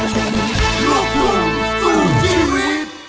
ร้องได้ร้องได้ร้องได้